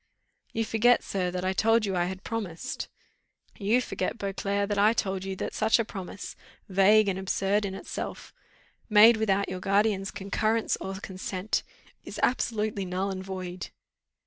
"You forget sir, that I told you I had promised." "You forget, Beauclerc, that I told you that such a promise, vague and absurd in itself, made without your guardian's concurrence or consent, is absolutely null and void."